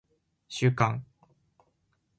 収監